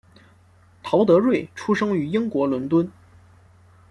陶德瑞出生于英国伦敦。